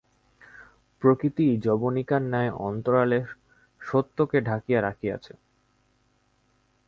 প্রকৃতিই যবনিকার ন্যায় অন্তরালে সত্যকে ঢাকিয়া রাখিয়াছে।